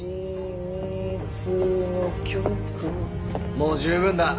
もう十分だ。